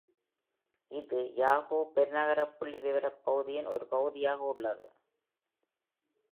இது, யாகோ பெருநகர புள்ளிவிவரப் பகுதியின் ஒரு பகுதியாக உள்ளது.